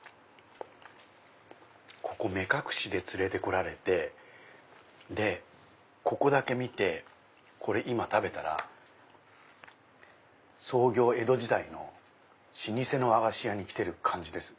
ここ目隠しで連れて来られてここだけ見てこれ今食べたら創業江戸時代の老舗の和菓子屋に来てる感じです。